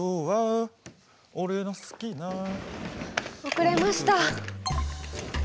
遅れました。